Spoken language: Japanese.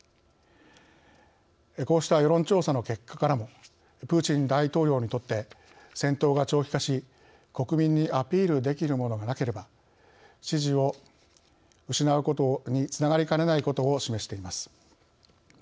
こうした世論調査の結果からもプーチン大統領にとって戦闘が長期化し国民にアピールできるものがなければ支持を失うことにつながりかねないことを示しています。